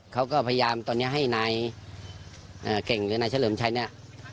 เขาก็พยายามตอนนี้ให้นายเก่งหรือนายเฉลิมชัยเนี่ย